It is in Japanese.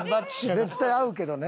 絶対合うけどね。